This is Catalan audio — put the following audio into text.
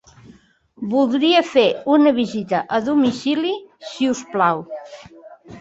Voldria fer una visita a domicili, si us plau.